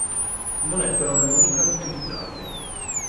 Non è però l'unica ad utilizzarli.